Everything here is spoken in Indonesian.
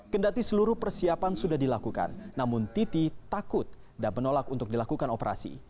kendati seluruh persiapan sudah dilakukan namun titi takut dan menolak untuk dilakukan operasi